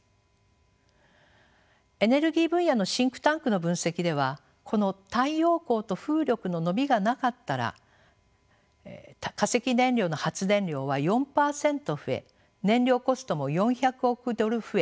エネルギー分野のシンクタンクの分析ではこの太陽光と風力の伸びがなかったら化石燃料の発電量は４％増え燃料コストも４００億ドル増え